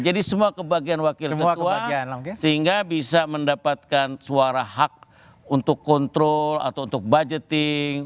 jadi semua kebahagiaan wakil ketua sehingga bisa mendapatkan suara hak untuk kontrol atau untuk budgeting